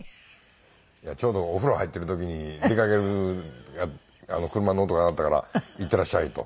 ちょうどお風呂入ってる時に出かける車の音が鳴ったからいってらっしゃいと。